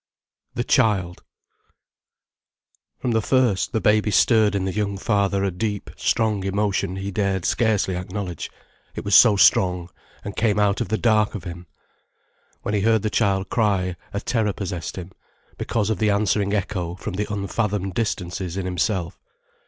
THE CHILD From the first, the baby stirred in the young father a deep, strong emotion he dared scarcely acknowledge, it was so strong and came out of the dark of him. When he heard the child cry, a terror possessed him, because of the answering echo from the unfathomed distances in himself.